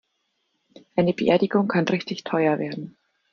Eine Beerdigung kann richtig teuer werden.